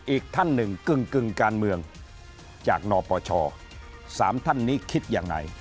อีกท่านหนึ่งกึ่งการเมืองจากนปช๓ท่านนี้คิดยังไง